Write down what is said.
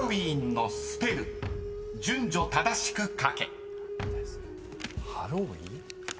［順序正しく書け］ハロウィーン？